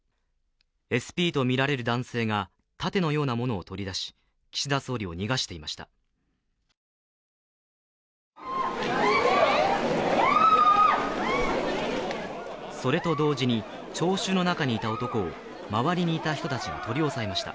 ＳＰとみられる男性が盾のようなものを取り出し、岸田総理を逃がしていました。